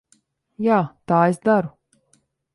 Jā, tā es daru.